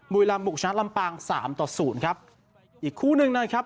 บุรีรำบุกชนะลำปางสามต่อศูนย์ครับอีกคู่หนึ่งนะครับ